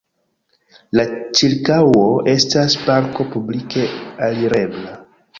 La ĉirkaŭo estas parko publike alirebla.